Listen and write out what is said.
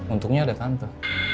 untungnya ada tante